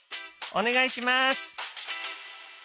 お願いします！